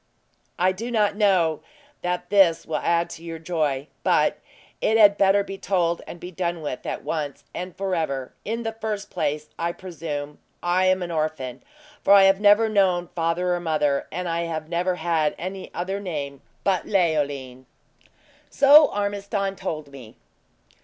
"I do not know that this will add to your joy; but it had better be told and be done with, at once and forever. In the first place, I presume I am an orphan, for I have never known father or mother, and I have never had any other name but Leoline." "So Ormiston told me."